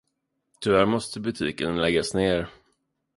Tyvärr måste butiken läggas ner.